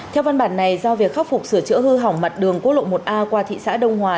theo văn bản này do việc khắc phục sửa chữa hư hỏng mặt đường quốc lộ một a qua thị xã đông hòa